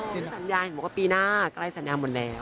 สัญญาณเหมือนกับปีหน้าใกล้สัญญาณหมดแล้ว